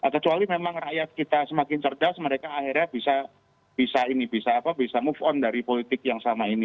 kecuali memang rakyat kita semakin cerdas mereka akhirnya bisa ini bisa move on dari politik yang sama ini